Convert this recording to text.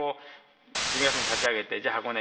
１２月に立ち上げて箱根